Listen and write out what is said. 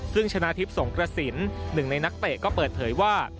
ซึ่งชนะทิพย์สงกระสินหนึ่งในนักเตะก็เปิดเผยว่า